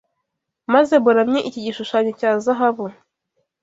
maze muramye iki gishushanyo cya zahabu